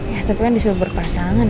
ya tapi kan disuruh berpasangan